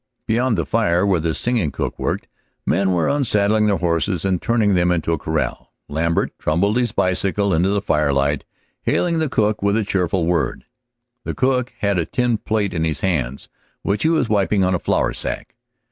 Beyond the fire where the singing cook worked, men were unsaddling their horses and turning them into the corral. Lambert trundled his bicycle into the firelight, hailing the cook with a cheerful word. The cook had a tin plate in his hands, which he was wiping on a flour sack.